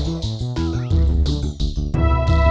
masih di pasar